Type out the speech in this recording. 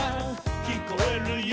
「きこえるよ」